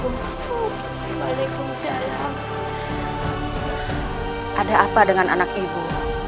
hai ada apa dengan anak ibu